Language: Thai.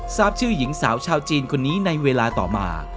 ทราบชื่อหญิงสาวชาวจีนคนนี้ในเวลาต่อมา